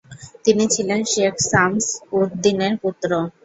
তিনি ছিলেন শেখ শামস-উদ-দ্বীনের পুত্র।